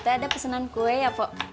kita ada pesenan kue ya pok